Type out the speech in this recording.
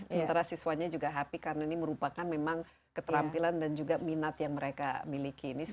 sementara siswanya juga happy karena ini merupakan memang keterampilan dan juga minat yang mereka miliki